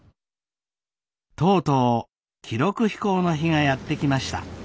とうとう記録飛行の日がやって来ました。